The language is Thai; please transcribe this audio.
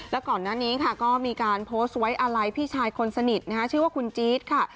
แล้วก่อนหน้านี้ค่ะก็มีการโพสต์ไว้อาลัยพี่ชายคนสนิทชื่อว่าคุณจี๊ดค่ะ